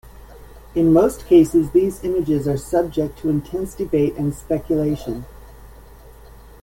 In most cases these images are subject to intense debate and speculation.